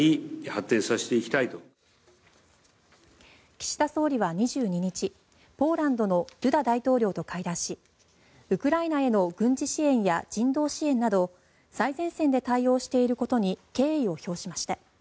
岸田総理は２２日ポーランドのドゥダ大統領と会談しウクライナへの軍事支援や人道支援など最前線で対応していることに敬意を表しました。